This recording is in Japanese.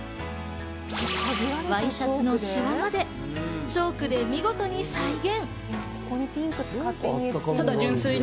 ワイシャツのシワまでチョークで見事に再現。